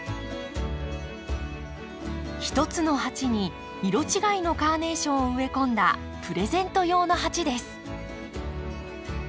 一つの鉢に色違いのカーネーションを植え込んだプレゼント用の鉢です。